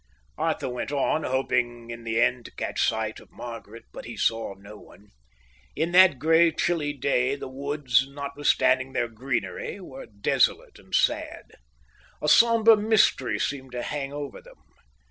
Arthur went on, hoping in the end to catch sight of Margaret, but he saw no one. In that grey, chilly day the woods, notwithstanding their greenery, were desolate and sad. A sombre mystery seemed to hang over them.